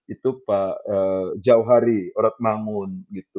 itu pak jauhari ratmangun